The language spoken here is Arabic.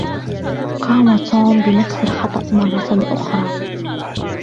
قام توم بنفس الخطأ مرة أخرى.